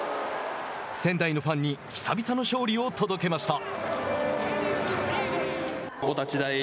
仙台のファンに久々の勝利を届けました。